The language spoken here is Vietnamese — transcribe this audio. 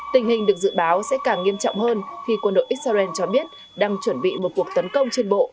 tình hình được dự báo sẽ càng nghiêm trọng hơn khi quân đội israel cho biết đang chuẩn bị một cuộc tấn công trên bộ